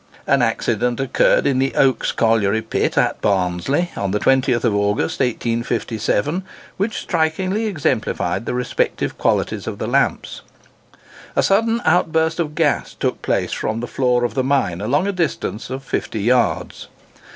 An accident occurred in the Oaks colliery Pit at Barnsley, on the 20th August, 1857, which strikingly exemplified the respective qualities of the lamps. A sudden outburst of gas took place from the floor of the mine, along a distance of fifty yards.